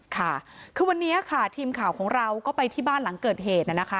ค่ะคือวันนี้ค่ะทีมข่าวของเราก็ไปที่บ้านหลังเกิดเหตุนะคะ